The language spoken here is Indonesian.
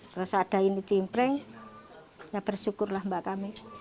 terus ada ini cimpreng ya bersyukurlah mbak kami